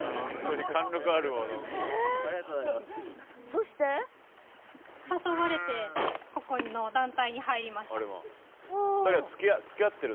そして？誘われてここの団体に入りました。